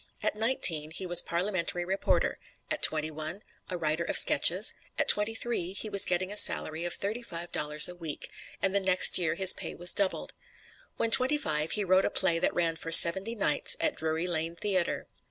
At nineteen, he was Parliamentary reporter; at twenty one, a writer of sketches; at twenty three, he was getting a salary of thirty five dollars a week, and the next year his pay was doubled. When twenty five, he wrote a play that ran for seventy nights at Drury Lane Theater.